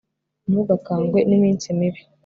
ntugakangwe n'iminsi mibi